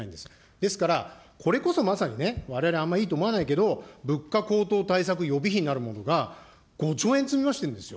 ですから、これこそまさにね、われわれあんまりいいと思わないけど、物価高騰対策予備費なるものが５兆円積み増してるんですよ。